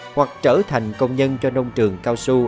hoặc trở thành công nhân cho nông trường cao su